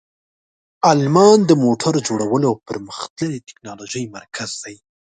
آلمان د موټر جوړولو او پرمختللې تکنالوژۍ مرکز دی.